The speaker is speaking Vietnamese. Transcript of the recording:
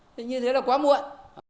thế như thế là quá muộn